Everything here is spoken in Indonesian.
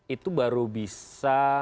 itu baru bisa